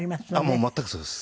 もう全くそうです。